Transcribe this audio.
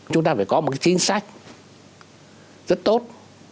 chúng ta phải có một chính sách rất tốt